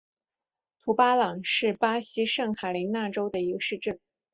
图巴朗是巴西圣卡塔琳娜州的一个市镇。